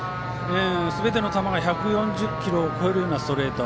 すべての球が１４０キロを超えるストレート。